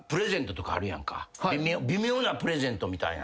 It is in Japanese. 微妙なプレゼントみたいな。